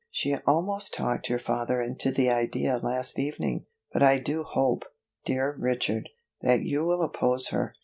She almost talked your father into the idea last evening, but I do hope, dear Richard, that you will oppose her.